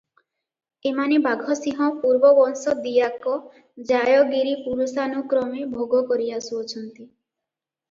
ଏମାନେ ବାଘସିଂହ ପୂର୍ବବଂଶ ଦିଆକ ଜାୟଗିରି ପୁରୁଷାନୁକ୍ରମେ ଭୋଗ କରି ଆସୁଅଛନ୍ତି ।